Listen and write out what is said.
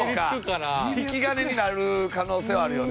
引き金になる可能性はあるよね。